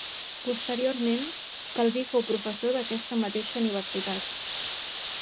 Posteriorment, Calví fou professor d'aquesta mateixa universitat.